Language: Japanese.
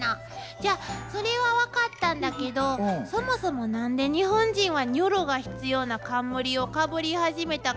じゃあそれは分かったんだけどそもそも何で日本人はニョロが必要な冠をかぶり始めたか分かるかしら？